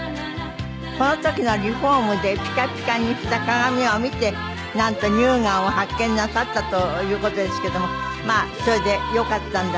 この時のリフォームでピカピカにした鏡を見てなんと乳がんを発見なさったという事ですけどもまあそれでよかったんだ